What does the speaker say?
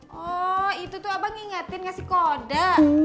hay itu tuh aku ngingetin kasih koda